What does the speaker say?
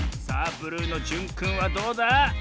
ブルーのじゅんくんはどうだ？